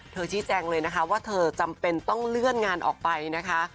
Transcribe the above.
ชี้แจงเลยนะคะว่าเธอจำเป็นต้องเลื่อนงานออกไปนะคะ